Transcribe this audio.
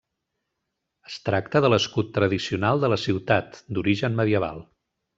Es tracta de l'escut tradicional de la ciutat, d'origen medieval.